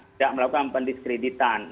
tidak melakukan pendiskreditan